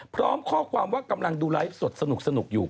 พร้อมข้อความว่ากำลังดูไลฟ์สดสนุกอยู่